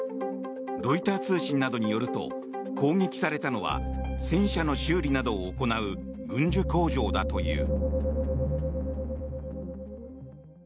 ロイター通信などによると攻撃されたのは戦車の修理などを行う軍需工場だという。